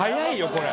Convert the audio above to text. これ。